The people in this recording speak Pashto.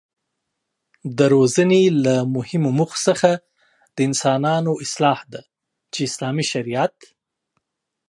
د روزنې له مهمو موخو څخه د انسانانو اصلاح ده چې اسلامي شريعت